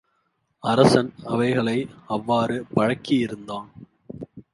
அரசன் அவைகளை அவ்வாறு பழக்கியிருந்தான்.